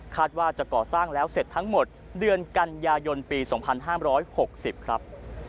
ว่าจะก่อสร้างแล้วเสร็จทั้งหมดเดือนกันยายนปี๒๕๖๐ครับ